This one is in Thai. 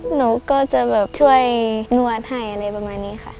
หนูก็จะแบบช่วยนวดให้อะไรประมาณนี้ค่ะ